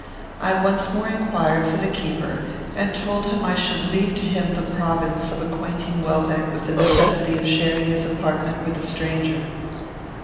I once more inquired for the keeper, and told him I should leave to him the province of acquainting Welbeck with the necessity of sharing his apartment with a stranger.